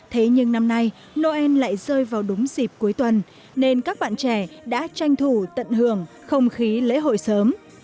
thế nhưng năm nay noel lại rơi vào đúng dịp cuối tuần nên các bạn trẻ đã tranh thủ tận hưởng không khí lễ hội sớm